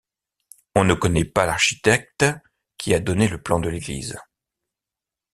On ne connaît pas l'architecte qui a donné le plan de l'église.